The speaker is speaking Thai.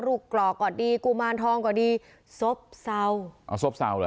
ลูกกรอกก่อนดีกุมานทองก่อนดีซบเศร้าอ๋อซบเศร้าเหรอฮะ